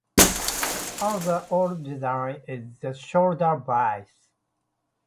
Another old design is the shoulder vise.